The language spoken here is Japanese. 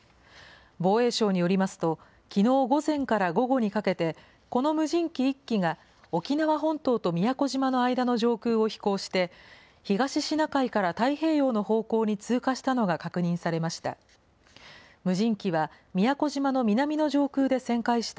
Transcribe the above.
防衛省によりますと、きのう午前から午後にかけて、この無人機１機が沖縄本島と宮古島の間の上空を飛行して、東シナ海から太平洋の方向に通過したのが確認されました。